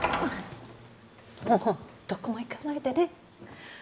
もうどこも行かないでね